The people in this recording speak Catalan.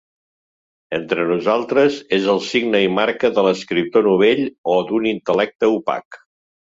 Entre nosaltres és el signe i marca de l'escriptor novell o d'un intel·lecte opac.